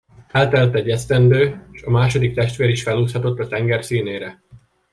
Eltelt egy esztendő, s a második testvér is felúszhatott a tenger színére.